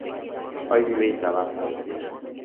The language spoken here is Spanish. Hoy vive y trabaja en Senegal.